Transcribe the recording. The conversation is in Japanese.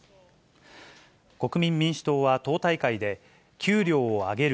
国民民主党は党大会で、給料を上げる。